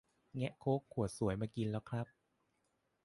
แงะโค้กขวดสวยมากินแล้วครับ